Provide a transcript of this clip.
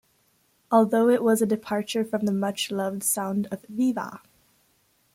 Although it was a departure from the much-loved sound of Viva!